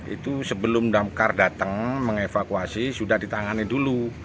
itu sebelum damkar datang mengevakuasi sudah ditangani dulu